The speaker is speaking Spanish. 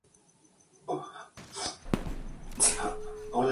La siguiente tabla da unas cifras sobre el coste de construcción del "Shannon".